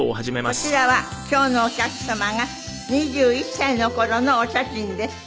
こちらは今日のお客様が２１歳の頃のお写真です。